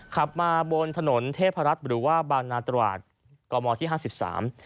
ขับมาบนถนนเทพรัฐหรือว่าบางนาตราดกมที่ห้าสิบสาม